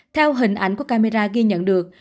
theo hình ảnh của camera ghi nhận được